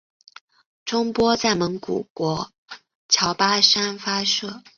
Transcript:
中波在蒙古国乔巴山发射。